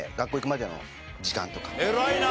偉いな！